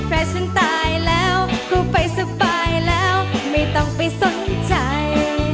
แฮนซ์จงตายแล้วพวกภัยสบายแล้วไม่ต้องไปสนใจ